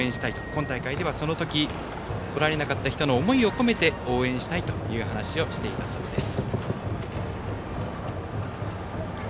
今大会ではその時、来られなかった人の思いを込めて応援したいと話していたそうです。